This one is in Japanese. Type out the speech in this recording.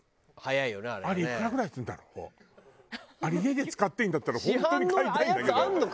あれ家で使っていいんだったら本当に買いたいんだけど。